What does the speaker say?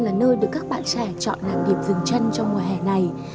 là nơi được các bạn trẻ chọn làm điểm dừng chân trong mùa hè này